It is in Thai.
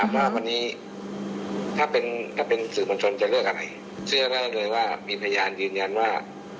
ว่าวันนี้ถ้าเป็นสื่อมวลชนจะเลือกอะไรเชื่อได้เลยว่ามีพยานยืนยันว่า